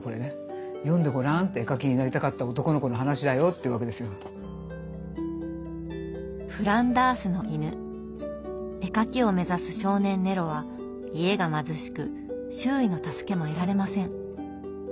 「読んでごらん」って絵描きを目指す少年ネロは家が貧しく周囲の助けも得られません。